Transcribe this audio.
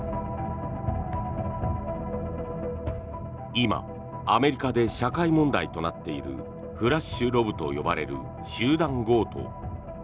今、アメリカで社会問題となっているフラッシュロブと呼ばれる集団強盗。